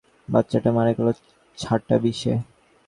বাচ্চাটা মারা গেল ছাঁটা বিশে।